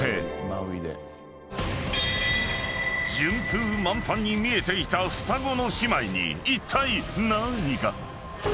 ［順風満帆に見えていた双子の姉妹にいったい何が］